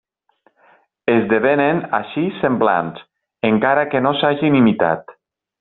Esdevenen així semblants, encara que no s'hagin imitat.